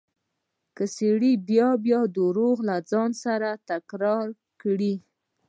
که سړی بيا بيا درواغ له ځان سره تکرار کړي.